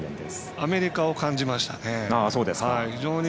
アメリカを感じましたね。